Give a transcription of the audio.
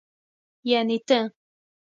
يعنې ته.